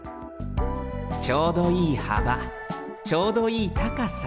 ちょうどいいはばちょうどいいたかさ。